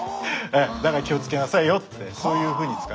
だから気をつけなさいよってそういうふうに使われてましたね。